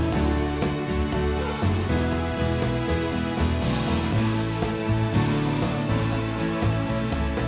กับน้องน้องทุกคน